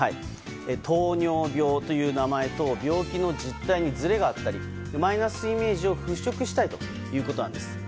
糖尿病という名前と病気の実態にずれがあったりマイナスイメージを払しょくしたいということです。